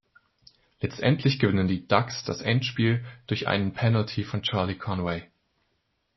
Letztendlich gewinnen die "Ducks" das Endspiel durch einen Penalty von Charlie Conway.